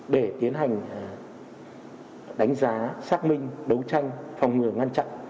để tiến hành đánh giá xác minh đấu tranh phòng ngừa ngăn chặn